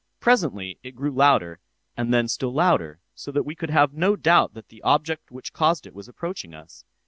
Presently it grew louder, and then still louder, so that we could have no doubt that the object which caused it was approaching us.